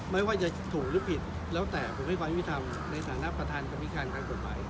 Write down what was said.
ไม่ว่าจะถูกหรือผิดแล้วแต่ผมให้ความยุติธรรมในฐานะประธานกรรมธิการทางกฎหมาย